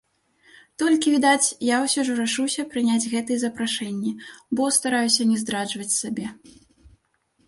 Толькі, відаць, я ўсё ж рашуся прыняць гэтыя запрашэнні, бо стараюся не здраджваць сабе.